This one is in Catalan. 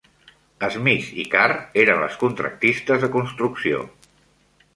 Smith i Carr eren els contractistes de construcció.